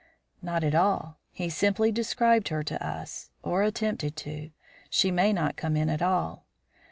"Not at all; he simply described her to us; or attempted to. She may not come in at all."